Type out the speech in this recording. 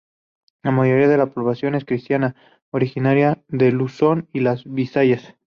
La mayoría de la población es cristiana, originaria de Luzón y las Bisayas.